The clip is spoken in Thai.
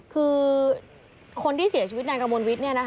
คือคนที่เสียชีวิตในกระมวลวิทย์